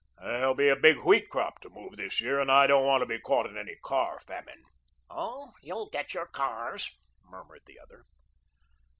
There'll be a big wheat crop to move this year and I don't want to be caught in any car famine." "Oh, you'll get your cars," murmured the other.